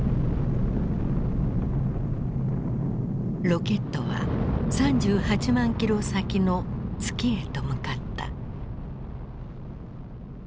ロケットは３８万ｋｍ先の月へと向かった。